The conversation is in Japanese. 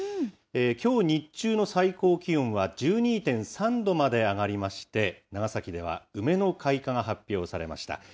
きょう日中の最高気温は１２．３度まで上がりまして、長崎では梅の開花が発表されました。